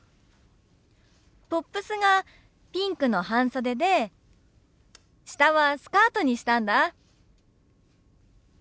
トップスがピンクの半袖で下はスカートにしたんだ。